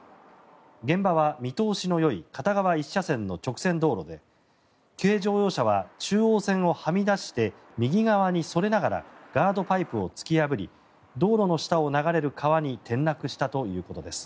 現場は見通しのよい片側１車線の直線道路で軽乗用車は中央線をはみ出して右側にそれながらガードパイプを突き破り道路の下を流れる川に転落したということです。